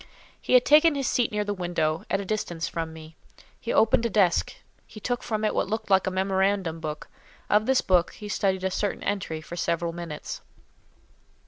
He had taken his seat near the window, at a distance from me; he opened a desk; he took from it what looked like a memorandum book; of this book he studied a certain entry for several minutes.